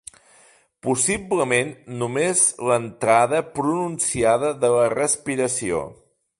Possiblement només l'entrada pronunciada de la respiració.